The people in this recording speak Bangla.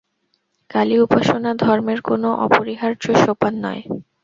কালী-উপাসনা ধর্মের কোন অপরিহার্য সোপান নয়।